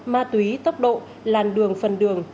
ma túy tốc độ làn đường phần đường